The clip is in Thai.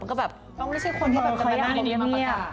มันก็แบบต้องไม่ใช่คนที่จะมานั่งเงียบ